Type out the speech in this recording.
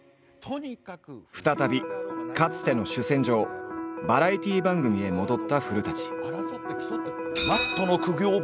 再びかつての主戦場バラエティー番組へ戻った古。